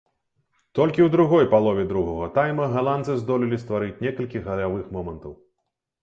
Толькі ў другой палове другога тайма галандцы здолелі стварыць некалькі галявых момантаў.